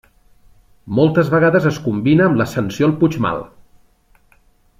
Moltes vegades es combina amb l'ascensió al Puigmal.